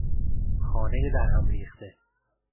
خانهی درهم ریخته